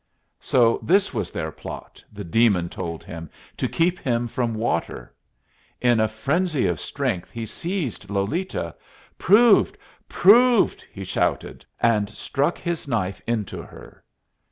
So this was their plot, the demon told him to keep him from water! In a frenzy of strength he seized Lolita. "Proved! Proved!" he shouted, and struck his knife into her.